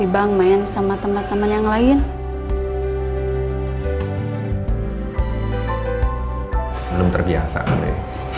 belum terbiasa nde